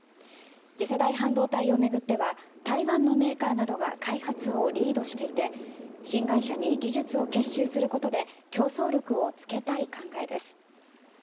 次世代半導体を巡っては台湾のメーカーなどが開発をリードしていて新会社に技術を結集することで競争力をつけたい考えです。